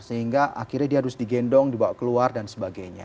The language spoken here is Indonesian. sehingga akhirnya dia harus digendong dibawa keluar dan sebagainya